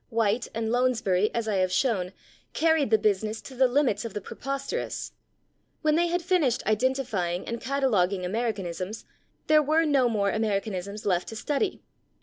White and Lounsbury, as I have shown, carried the business to the limits of the preposterous; when they had finished identifying and cataloguing Americanisms there were no more Americanisms left to study.